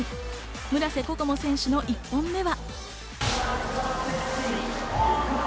村瀬心椛選手の１本目は。